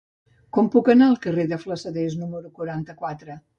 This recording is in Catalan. Com puc anar al carrer de Flassaders número quaranta-quatre?